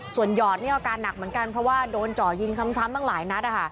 ส่วนหยอดนี่อาการหนักเหมือนกันเพราะว่าโดนเจาะยิงซ้ำตั้งหลายนัด